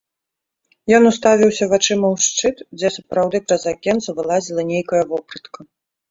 Ён уставіўся вачыма ў шчыт, дзе сапраўды праз акенца вылазіла нейкая вопратка.